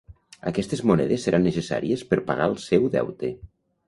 Aquestes monedes seran necessàries per pagar el seu deute.